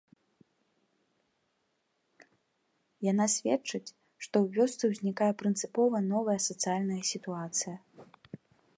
Яна сведчыць, што ў вёсцы ўзнікае прынцыпова новая сацыяльная сітуацыя.